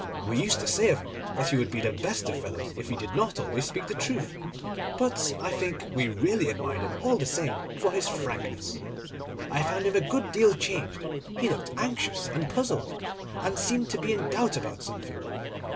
We used to say of him that he would be the best of fellows, if he did not always speak the truth, but I think we really admired him all the more for his frankness. I found him a good deal changed. He looked anxious and puzzled, and seemed to be in doubt about something.